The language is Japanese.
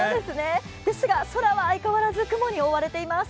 ですが空は相変わらず雲に覆われています。